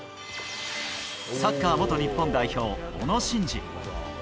サッカー元日本代表、小野伸二。